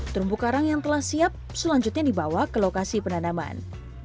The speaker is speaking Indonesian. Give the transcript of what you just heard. terumbu karang yang telah siap selanjutnya dibawa ke lokasi penanaman